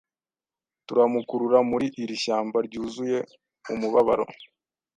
Turamukurura muri iri shyamba ryuzuye umubabaro